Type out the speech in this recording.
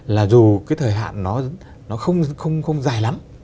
là dù cái thời hạn nó không dài lắm